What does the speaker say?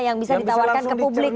yang bisa ditawarkan ke publik